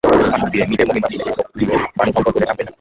আসুক ফিরে—মিলের মহিমা মিলে শেষ হোক দিলের বাণীঝংকার তোলে কাব্যের রানি।